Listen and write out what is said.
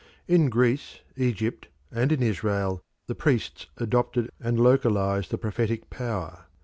In Greece, Egypt, and in Israel the priests adopted and localised the prophetic power.